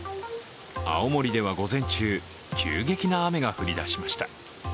青森では午前中、急激な雨が降りだしました。